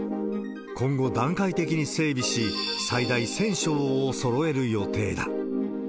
今後、段階的に整備し、最大１０００床をそろえる予定だ。